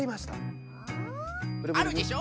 あるでしょ？